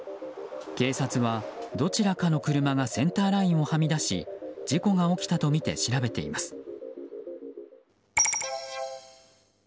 警察はどちらかの車がセンターラインをはみ出し事故が起きたとみて調べています。